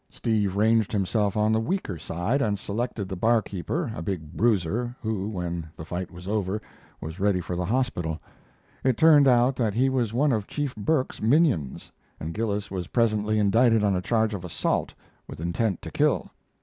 Steve ranged himself on the weaker side, and selected the barkeeper, a big bruiser, who, when the fight was over, was ready for the hospital. It turned out that he was one of Chief Burke's minions, and Gillis was presently indicted on a charge of assault with intent to kill.